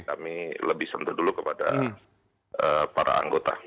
kami lebih sentuh dulu kepada para anggota